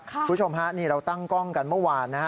คุณผู้ชมฮะนี่เราตั้งกล้องกันเมื่อวานนะฮะ